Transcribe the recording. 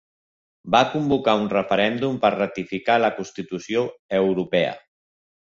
Va convocar un referèndum per ratificar la Constitució europea.